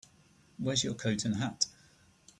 Where's your coat and hat?